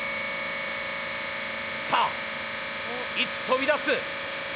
さあいつ飛び出す？